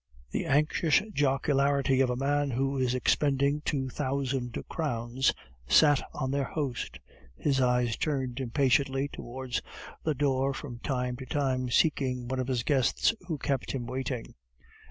The anxious jocularity of a man who is expending two thousand crowns sat on their host. His eyes turned impatiently towards the door from time to time, seeking one of his guests who kept him waiting.